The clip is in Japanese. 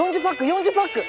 ４０パック！